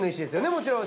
もちろん。